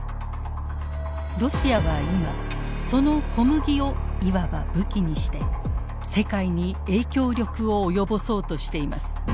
ロシアは今その小麦をいわば武器にして世界に影響力を及ぼそうとしています。